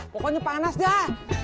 pokoknya panas dah